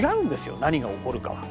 何が起こるかは。